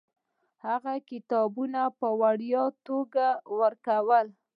هغه کتابونه په وړیا توګه ورکول.